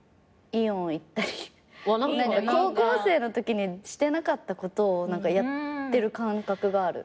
行ったり高校生のときにしてなかったことをやってる感覚がある。